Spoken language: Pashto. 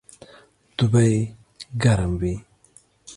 دوبئ ګرم وي